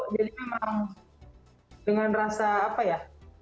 jadi memang dengan rasa apa ya